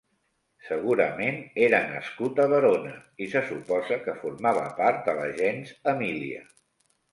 Segurament era nascut a Verona i se suposa que formava part de la gens Emília.